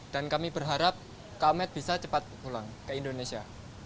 dan kami berharap kak homet bisa cepat pulang ke indonesia